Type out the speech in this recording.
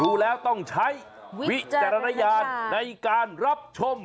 ดูแล้วต้องใช้วิจารณญาณในการรับชม